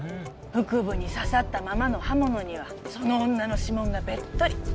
腹部に刺さったままの刃物にはその女の指紋がべっとり。